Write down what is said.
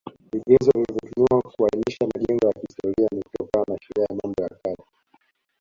Vigezo vilivyotumiwa kuainisha majengo ya kihstoria ni kutokana na Sheria ya Mambo ya Kale